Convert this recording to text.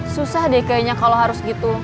susah deh kayaknya kalau harus gitu